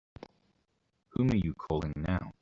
Whom are you calling now?